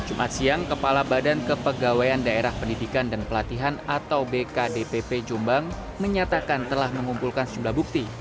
jumat siang kepala badan kepegawaian daerah pendidikan dan pelatihan atau bkdpp jombang menyatakan telah mengumpulkan sejumlah bukti